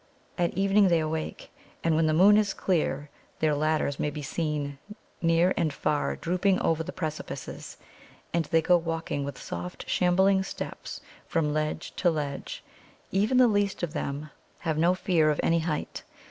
At evening they awake, and when the moon is clear their ladders may be seen near and far drooping over the precipices. And they go walking with soft, shambling steps from ledge to ledge. Even the least of them have no fear of any height.